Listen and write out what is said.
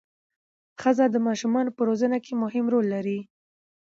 ښځه د ماشومانو په روزنه کې مهم رول لري